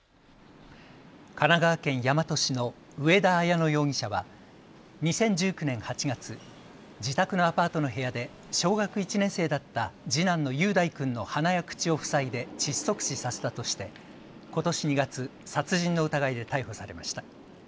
神奈川県大和市の上田綾乃容疑者は２０１９年８月、自宅のアパートの部屋で小学１年生だった次男の雄大君の鼻や口を塞いで窒息死させたとしてことし２月、殺人の疑いで逮捕されました。